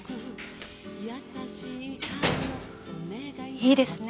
いいですね